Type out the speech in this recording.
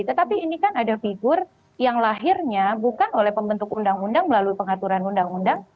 tetapi ini kan ada figur yang lahirnya bukan oleh pembentuk undang undang melalui pengaturan undang undang